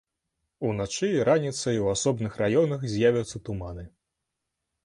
Уначы і раніцай у асобных раёнах з'явяцца туманы.